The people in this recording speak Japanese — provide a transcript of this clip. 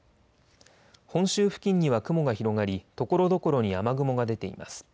本州付近には雲が広がりところどころに雨雲が出ています。